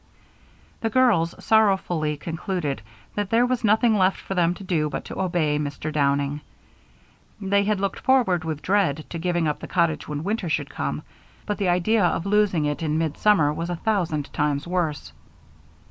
The girls sorrowfully concluded that there was nothing left for them to do but to obey Mr. Downing. They had looked forward with dread to giving up the cottage when winter should come, but the idea of losing it in midsummer was a thousand times worse.